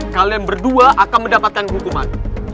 kalian berdua akan mendapatkan hukuman